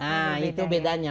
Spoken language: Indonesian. nah itu bedanya